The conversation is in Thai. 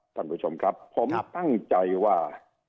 ท่านผู้ชมครับผมตั้งใจว่า